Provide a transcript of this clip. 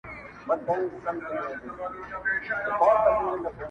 د مقدسې مينې پای دی سړی څه ووايي~